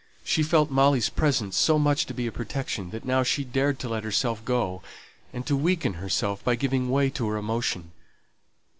She felt Molly's presence so much to be a protection that now she dared to let herself go, and to weaken herself by giving way to her emotion.